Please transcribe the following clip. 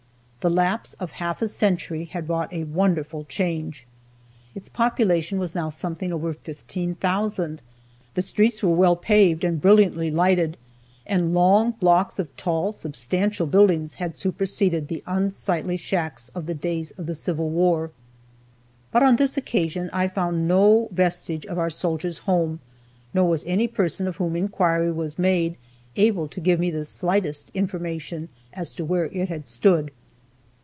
The lapse of half a century had wrought a wonderful change. Its population was now something over fifteen thousand, the streets were well paved and brilliantly lighted, and long blocks of tall, substantial buildings had superseded the unsightly shacks of the days of the Civil War. But on this occasion I found no vestige of our "Soldiers' Home," nor was any person of whom inquiry was made able to give me the slightest information as to where it had stood.